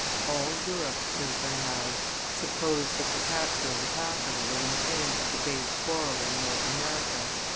"All Europe," says Raynal, "supposed that the capture of the capital was an end to the great quarrel in North America.